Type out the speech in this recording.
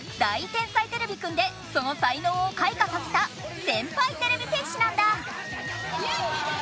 天才てれびくん」でその才能を開花させた先輩てれび戦士なんだ！